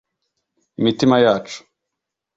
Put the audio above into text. imitima yacu (